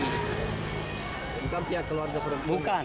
bukan pihak keluarga pernikahan